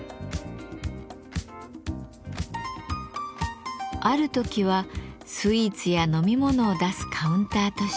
ある時はスイーツや飲み物を出すカウンターとして。